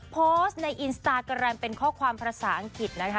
โพสต์ในอินสตาแกรมเป็นข้อความภาษาอังกฤษนะคะ